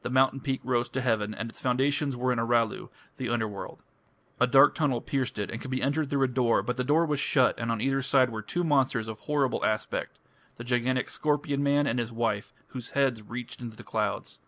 The mountain peak rose to heaven, and its foundations were in Aralu, the Underworld. A dark tunnel pierced it and could be entered through a door, but the door was shut and on either side were two monsters of horrible aspect the gigantic "scorpion man" and his wife, whose heads reached to the clouds.